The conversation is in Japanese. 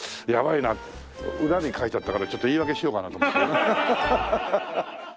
やばいな裏に描いちゃったからちょっと言い訳しようかなと思って。